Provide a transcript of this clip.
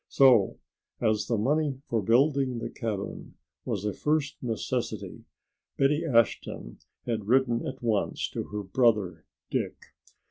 So as the money for building the cabin was a first necessity Betty Ashton had written at once to her brother Dick.